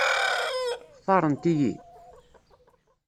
Xtaṛent-iyi?